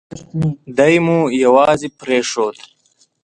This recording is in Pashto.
دای مو یوازې پرېښود.